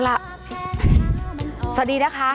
สวัสดีนะคะ